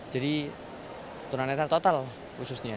jadi tuna netra total khususnya